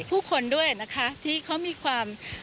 ผู้คนด้วยนะคะที่เขามีความ